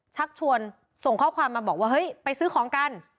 ชักชวนส่งข้อความมาบอกว่าเฮ้ยไปซื้อของกัน